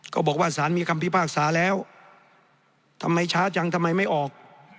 บอกว่าสารมีคำพิพากษาแล้วทำไมช้าจังทำไมไม่ออก